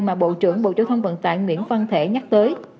mà bộ trưởng bộ giao thông vận tải nguyễn văn thể nhắc tới